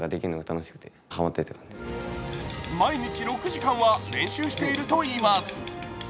毎日６時間は練習していると云います。